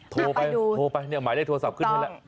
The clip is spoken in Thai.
โทรไปโทรไปเนี่ยหมายเลขโทรศัพท์ขึ้นให้แล้ว